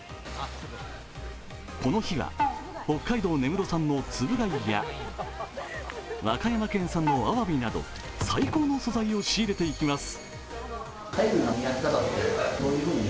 この日は北海道根室産のつぶ貝や和歌山県産のあわびなど、最高の素材を仕入れていきます。